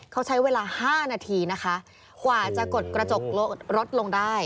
เขาใช้เวลา๕นาทีนะคะกว่าจะกดกระจกรถลงได้